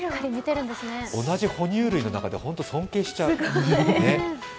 同じ哺乳類の中でホント、尊敬しちゃう。